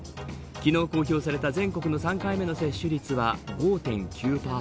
昨日公表された全国の３回目の接種率は５．９％。